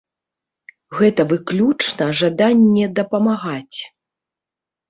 Гэта выключна жаданне дапамагаць.